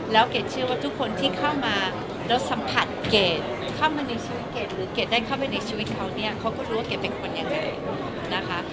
แล้วเกดเชื่อว่าทุกคนที่เข้ามาแล้วสัมผัสเกรดเข้ามาในชีวิตเกดหรือเกดได้เข้าไปในชีวิตเขาเนี่ยเขาก็รู้ว่าเกดเป็นคนยังไงนะคะ